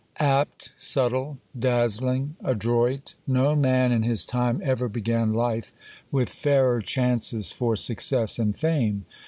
Apt, subtle, dazzling, adroit, no man in his time ever began life with fairer chances for success and fame.